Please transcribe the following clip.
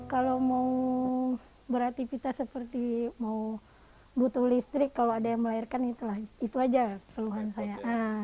kalau mau beraktivitas seperti mau butuh listrik kalau ada yang melahirkan itu aja keluhan saya